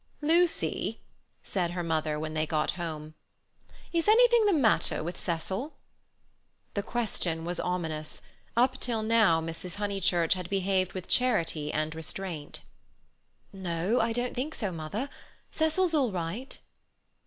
"Lucy," said her mother, when they got home, "is anything the matter with Cecil?" The question was ominous; up till now Mrs. Honeychurch had behaved with charity and restraint. "No, I don't think so, mother; Cecil's all right."